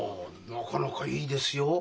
なかなかいいですよ。